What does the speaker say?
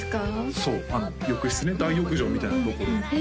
そう浴室ね大浴場みたいなところえ